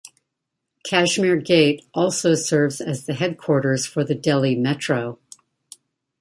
Kashmere Gate also serves as the Headquarters for the Delhi Metro.